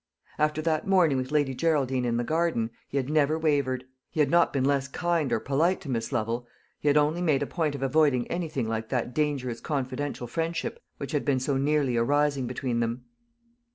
After that morning with Lady Geraldine in the garden, he had never wavered. He had not been less kind or polite to Miss Lovel; he had only made a point of avoiding anything like that dangerous confidential friendship which had been so nearly arising between them.